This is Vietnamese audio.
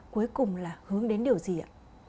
cuối cùng là hướng đến điều gì ạ